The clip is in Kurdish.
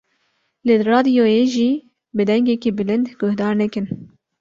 Li radyoyê jî bi dengekî bilind guhdar nekin.